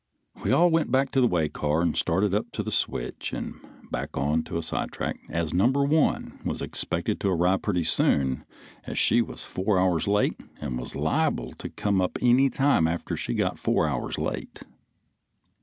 We all went back to the way car and started up to the switch and back on to a sidetrack, as No. 1 was expected to arrive pretty soon, as she was four hours late, and was liable to come any time after she got four hours late.